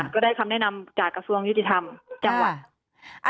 ก็ได้คำแนะนำจากกระทรวงยุติธรรมจังหวัด